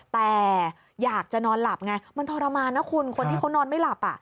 แต่อยากจะนอนหลับไงมันทรมานนะคุณคนที่เขานอนไม่หลับ